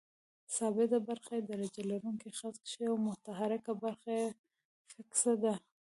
ثابته برخه یې درجه لرونکی خط کش او متحرکه برخه یې فکسه ده.